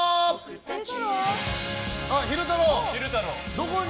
どこに？